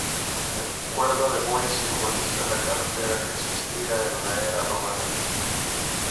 El cuerno de buey simboliza la carretera que existía en la era romana.